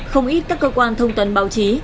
không ít các cơ quan thông tin báo chí